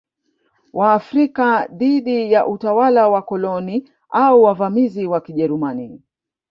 Waafrika dhidi ya utawala wa wakoloni au wavamizi wa Kijerumani